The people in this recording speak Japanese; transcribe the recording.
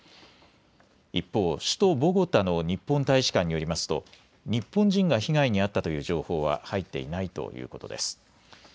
一方、首都ボゴタの日本大使館によりますと日本人が被害に遭ったという情報は入っていないということです。